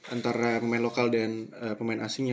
antara pemain lokal dan pemain asingnya